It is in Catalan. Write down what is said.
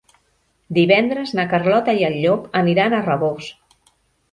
Divendres na Carlota i en Llop aniran a Rabós.